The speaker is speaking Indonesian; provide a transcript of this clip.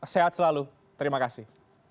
sehat selalu terima kasih